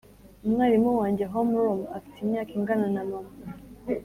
umwarimu wanjye homeroom afite imyaka ingana na mama.